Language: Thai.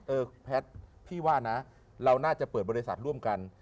เออแพทย์พี่ว่านะเราน่าจะเปิดบริษัทร่วมกัน